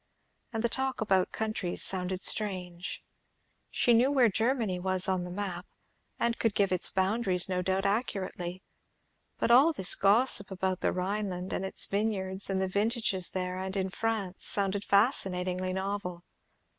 And the talk about countries sounded strange. She knew where Germany was on the map, and could give its boundaries no doubt accurately; but all this gossip about the Rhineland and its vineyards and the vintages there and in France, sounded fascinatingly novel.